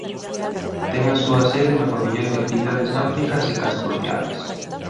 Ten a súa sede no Pavillón de Actividades Náuticas de Castro Urdiales.